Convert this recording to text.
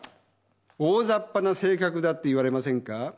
「大ざっぱな性格だ」って言われませんか。